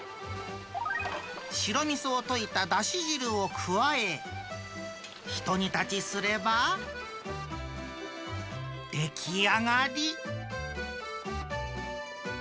白みそを溶いただし汁を加え、ひと煮立ちすれば、出来上がり。